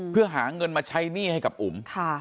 เพื่อหาเงินมาใช้หนี้ให้กับอุ๋ม